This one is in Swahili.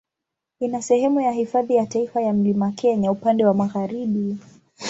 Ina sehemu ya Hifadhi ya Taifa ya Mlima Kenya upande wa magharibi.